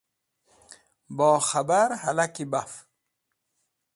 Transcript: Bokhẽbar/apd̃et̃ halaki baf